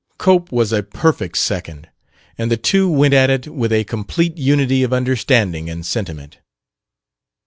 Cope was a perfect second, and the two went at it with a complete unity of understanding and of sentiment.